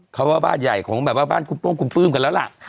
เขาว่าบ้านใหญ่ของแบบว่าบ้านคุณโป้งคุณปลื้มกันแล้วล่ะ